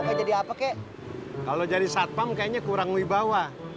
kalau jadi satpam kayaknya kurang wibawa